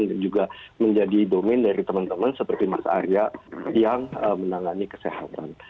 dan juga menjadi domain dari teman teman seperti mas arya yang menangani kesehatan